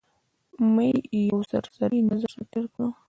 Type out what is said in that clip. مې یو سرسري نظر را تېر کړ.